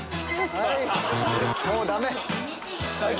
もうダメ。